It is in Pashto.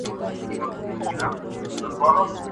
د کور مخ ته یو لویه ونه ولاړه ده.